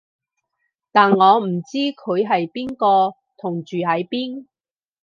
但我唔知佢係邊個同住喺邊